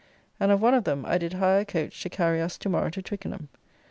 And of one of them I did hire a coach to carry us to morrow to Twickenham.